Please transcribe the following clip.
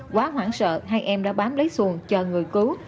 quá hoảng sợ hai em đã bám lấy xuồng chờ người cứu